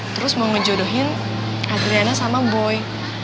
terus mau ngejodohin adriana sama boy